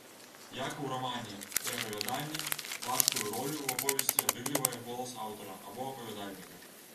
Як ў рамане і апавяданні, важкую ролю ў аповесці адыгрывае голас аўтара або апавядальніка.